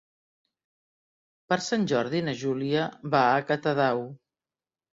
Per Sant Jordi na Júlia va a Catadau.